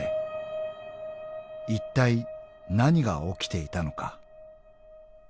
［いったい何が起きていたのか］